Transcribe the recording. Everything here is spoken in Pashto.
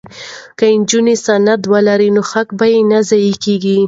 که نجونې سند ولري نو حق به نه ضایع کیږي.